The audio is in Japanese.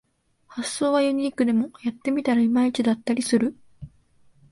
発想はユニークでもやってみたらいまいちだったりする